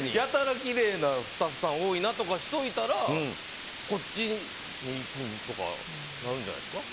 きれいなスタッフさんが多いなとかしといたらこっちにいくとかなるんじゃないですか。